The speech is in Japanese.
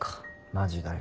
マジだよ。